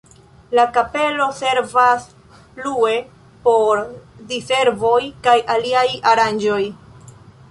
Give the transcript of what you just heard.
La kapelo servas plue por diservoj kaj aliaj aranĝoj.